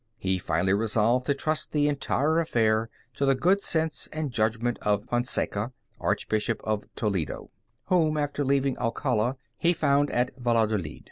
He finally resolved to trust the entire affair to the good sense and judgment of Fonseca, Archbishop of Toledo, whom, after leaving Alcala, he found at Valladolid.